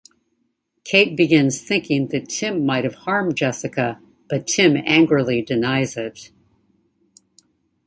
Kate begins thinking that Tim might've harmed Jessica; but Tim angrily denies it.